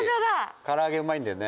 唐揚げうまいんだよね。